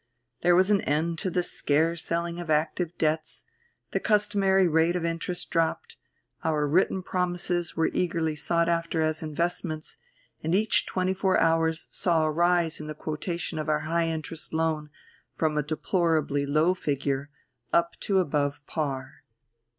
There was an end to the scare selling of active debts, the customary rate of interest dropped, our written promises were eagerly sought after as investments, and each twenty four hours saw a rise in the quotation of our high interest loan from a deplorably low figure up to above par.